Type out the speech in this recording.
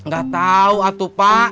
gak tau atuh pak